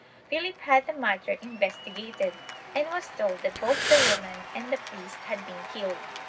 Philip had the matter investigated and was told that both the woman and the priest had been killed.